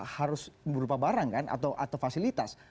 harus berupa barang kan atau fasilitas